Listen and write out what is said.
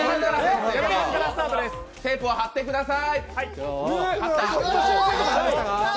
テープを貼ってください。